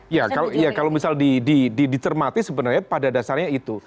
ya kalau misal dicermati sebenarnya pada dasarnya itu